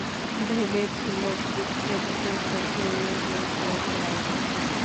ভেবেছিলেম ভিক্ষে নিতে এসেছে, এ যে চোখ রাঙায়।